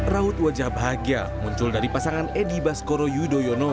raut wajah bahagia muncul dari pasangan edi baskoro yudhoyono